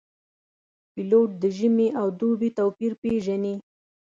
پیلوټ د ژمي او دوبي توپیر پېژني.